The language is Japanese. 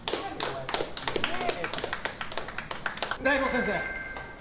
大門先生！